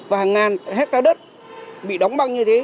và hàng ngàn hectare đất bị đóng băng như thế